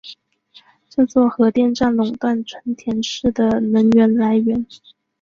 这座核电站垄断春田市的能源来源。